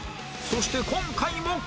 そして今回も！